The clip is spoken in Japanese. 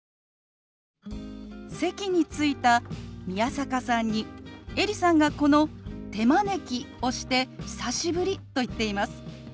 席に着いた宮坂さんにエリさんがこの「手招き」をして「久しぶり」と言っています。